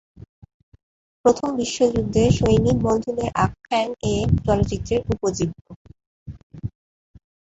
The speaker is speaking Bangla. প্রথম বিশ্বযুদ্ধে সৈনিক বন্ধুদের আখ্যান এ চলচ্চিত্রের উপজীব্য।